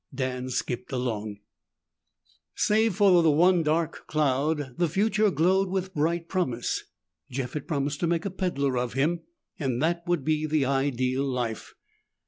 Dan skipped along. Save for the one dark cloud, the future glowed with bright promise. Jeff had promised to make a peddler of him and that would be the ideal life.